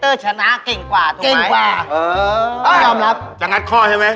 เอ้างัดข้อ